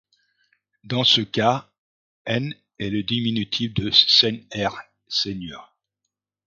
Dans ce cas, En est le diminutif de Senher, seigneur.